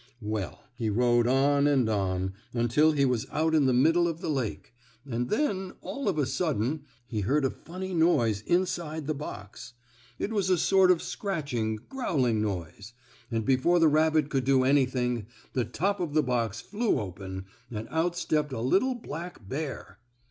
Well, he rowed on and on, until he was out in the middle of the lake, and then, all of a sudden, he heard a funny noise inside the box. It was a sort of scratching, growling noise, and before the rabbit could do anything, the top of the box flew open and out stepped a little black bear.